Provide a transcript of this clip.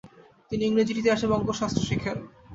তিনি ইংরেজির ইতিহাস এবং অঙ্কশাস্ত্র শিখেন।